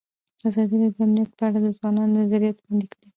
ازادي راډیو د امنیت په اړه د ځوانانو نظریات وړاندې کړي.